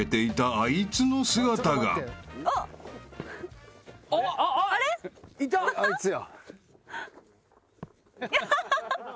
あいつや。